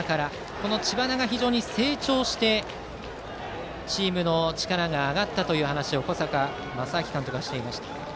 この知花が非常に成長してチームの力が上がったという話を小坂将商監督がしていました。